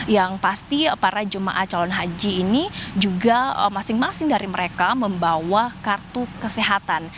yang pasti para jemaah calon haji ini juga masing masing dari mereka membawa kartu kesehatan